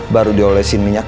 baru dia olesin minyak